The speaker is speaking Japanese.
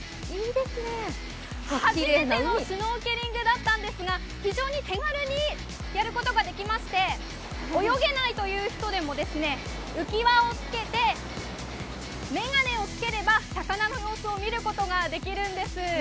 初めてのシュノーケリングだったんですが非常に手軽にやることができまして泳げないという人でも浮き輪をつけて眼鏡をつければ魚の様子を見ることができるんです。